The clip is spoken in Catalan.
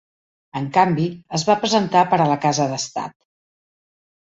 En canvi, es va presentar per a la Casa d'estat.